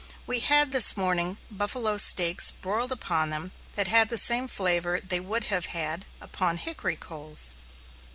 We had this morning buffalo steaks broiled upon them that had the same flavor they would have had upon hickory coals.